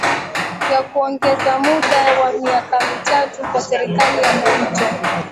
ya kuongeza muda wa miaka mitatu kwa serikali ya mpito